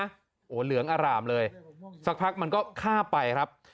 หัวเหลืองอาร่ำเลยสักพักมันก็ข้าไปครับ